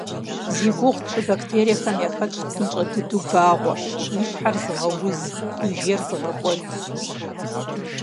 Зи гугъу тщӀы бактериехэм яхэтщ псынщӀэ дыдэу багъуэ, уи щхьэр зыгъэуз, уи жейр зыгъэкӀуэд.